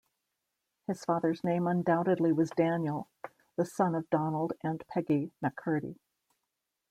His father's name undoubtedly was Daniel, the son of Donald and Peggy Mackirdy.